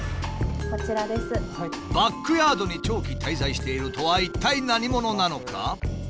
バックヤードに長期滞在しているとは一体何者なのか？